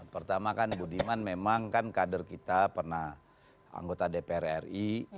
pertama kan budiman memang kan kader kita pernah anggota dpr ri